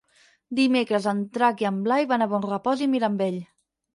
Dimecres en Drac i en Blai van a Bonrepòs i Mirambell.